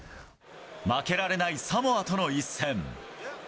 負けられないサモアとの一戦。